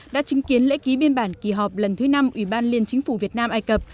đã chứng kiến lễ ký biên bản kỳ họp lần thứ năm ủy ban liên chính phủ việt nam ai cập